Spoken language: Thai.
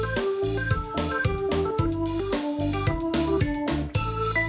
ภูนิสาค่ะมาใหม่เลยนะคะ